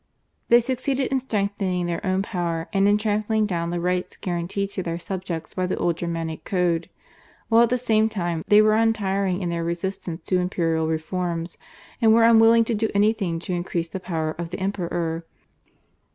They succeeded in strengthening their own power and in trampling down the rights guaranteed to their subjects by the old Germanic Code, while at the same time they were untiring in their resistance to imperial reforms, and were unwilling to do anything to increase the power of the Emperor.